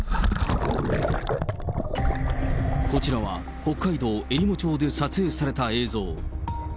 こちらは、北海道えりも町で撮影された映像。